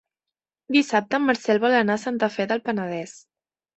Dissabte en Marcel vol anar a Santa Fe del Penedès.